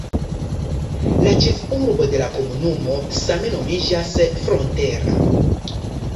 La ĉefurbo de la komunumo same nomiĝas "Frontera".